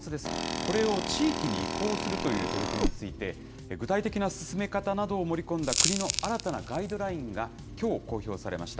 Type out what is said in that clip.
これを地域に移行するという取り組みについて、具体的な進め方などを盛り込んだ国の新たなガイドラインがきょう公表されました。